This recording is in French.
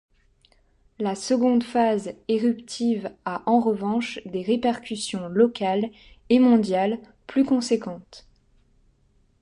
La seconde phase éruptive a en revanche des répercussions locales et mondiales plus conséquentes.